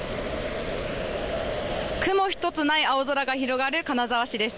雲１つない青空が広がる金沢市です。